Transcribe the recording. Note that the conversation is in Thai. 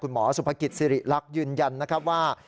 หมอสุภกิจสิริรักษ์ยืนยันนะครับว่า